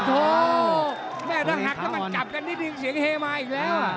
โอ้โธ่แม่ร่างหักแล้วมันจับกันดิดดินเสียงเฮมาอีกแล้ว